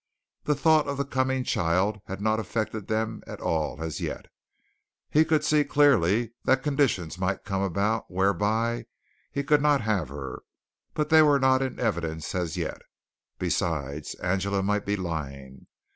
The thought of the coming child had not affected them at all as yet. He could see clearly that conditions might come about whereby he could not have her, but they were not in evidence as yet. Besides, Angela might be lying.